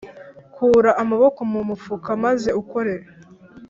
Kura amaboko mu mufuka maze ukore